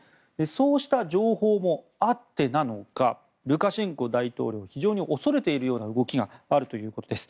そうした情報もあってなのかルカシェンコ大統領非常に恐れているような動きがあるということです。